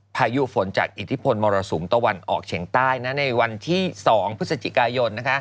พายุฝนจากอิทธิพลมรสุมตะวันออกเฉียงใต้ในวันที่๒พฤศจิกายน